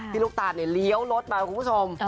ลูกตาลเลี้ยวรถมาคุณผู้ชม